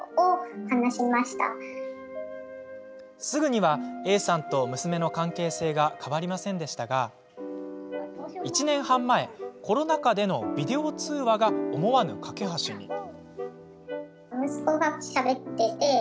すぐにはＡさんと娘の関係性が変わりませんでしたが１年半前、コロナ禍でのビデオ通話が思わぬ懸け橋に。